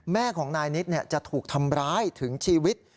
แม่ของนายนิดจะถูกทำร้ายถึงชีวิต